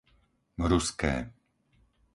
Ruské